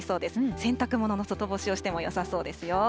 洗濯物も外干しをしてもよさそうですよ。